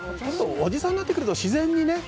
おじさんになってくると自然にね。